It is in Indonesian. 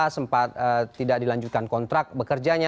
sempat tidak dilanjutkan kontrak bekerjanya